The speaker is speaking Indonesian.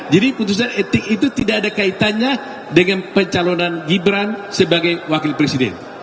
jadi keputusan etik itu tidak ada kaitannya dengan pencalonan gibran sebagai wakil presiden